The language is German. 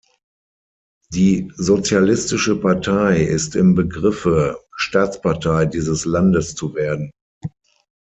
Die sozialistische Partei ist im Begriffe, Staatspartei dieses Landes zu werden.